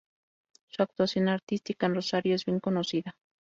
Su actuación artística en Rosario es bien conocida.